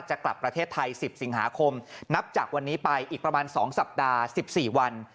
จะกลับประเทศไทย๑๐สิงหาคมนับจากวันนี้ไปอีกประมาณ๒สัปดาห์๑๔วัน